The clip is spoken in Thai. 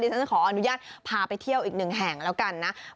ฉันจะขออนุญาตพาไปเที่ยวอีกหนึ่งแห่งแล้วกันนะ